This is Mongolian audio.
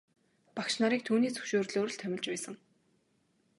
Багш нарыг түүний зөвшөөрлөөр л томилж байсан.